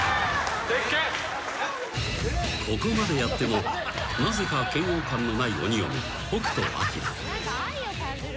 ［ここまでやってもなぜか嫌悪感のない鬼嫁北斗晶］